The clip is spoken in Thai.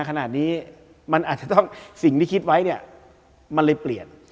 คลิกมั้ย